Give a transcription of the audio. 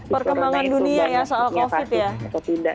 perkembangan dunia ya soal covid ya